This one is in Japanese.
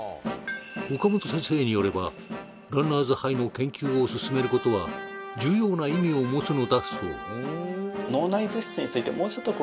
岡本先生によればランナーズハイの研究を進めることは重要な意味を持つのだそう治療薬ですね